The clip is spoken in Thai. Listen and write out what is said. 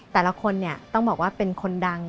แต่ละคนเนี่ยต้องบอกว่าเป็นคนดัง